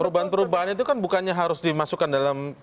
perubahan perubahan itu kan bukannya harus dimasukkan dalam